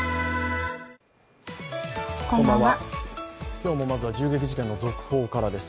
今日もまずは銃撃事件の続報からです。